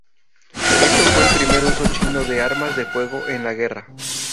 Esto fue el primer uso chino de armas de fuego en la guerra.